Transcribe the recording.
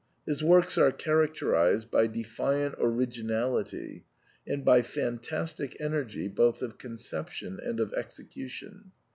His works are characterised by defiant originality, and by fantastic energy both of conception and of execution.